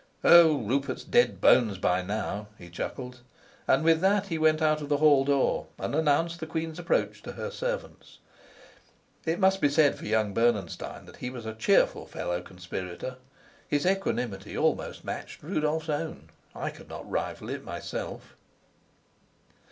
"Oh, Rupert's dead bones by now," he chuckled, and with that he went out of the hall door and announced the queen's approach to her servants. It must be said for young Bernenstein that he was a cheerful fellow conspirator. His equanimity almost matched Rudolf's own; I could not rival it myself.